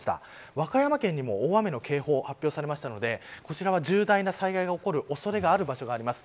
和歌山県にも大雨の警報が発表されたのでこちらは重大な災害が起こるおそれがある場所があります。